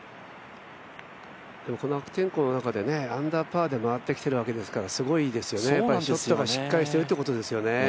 この悪天候の中でアンダーパーで回ってきているわけですからすごいですよね、ショットがしっかりしているということですよね。